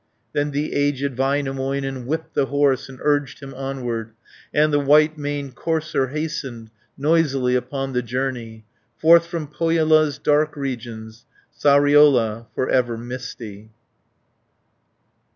Then the aged Väinämöinen Whipped the horse, and urged him onward, And the white maned courser hastened Noisily upon the journey, Forth from Pohjola's dark regions, Sariola for ever misty.